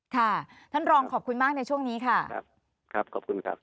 ค่ะท่านรองขอบคุณมากในช่วงนี้ค่ะครับครับขอบคุณครับ